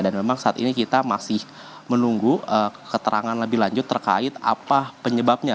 dan memang saat ini kita masih menunggu keterangan lebih lanjut terkait apa penyebabnya